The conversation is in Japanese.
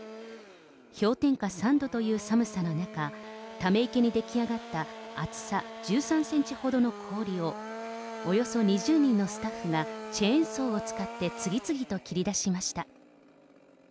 氷点下３度という寒さの中、ため池に出来上がった厚さ１３センチほどの氷を、およそ２０人のスタッフがチェーンソーを使って次々と切り出しました。